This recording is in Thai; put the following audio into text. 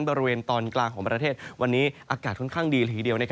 บริเวณตอนกลางของประเทศวันนี้อากาศค่อนข้างดีละทีเดียว